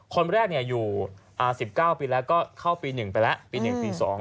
คนแรกอยู่๑๙ปีแล้วก็เข้าปี๑ไปแล้วปี๑ปี๒